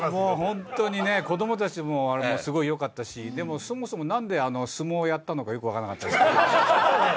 本当に子供たちもすごいよかったし、でも、そもそも何で相撲やったのかよく分からなかったです。